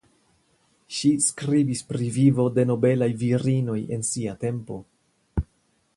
Ŝi skribis pri vivo de nobelaj virinoj en sia tempo.